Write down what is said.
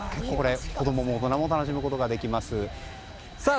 子供も大人も楽しむことができます。